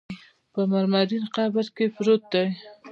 په مرمرین قبر کې پروت دی.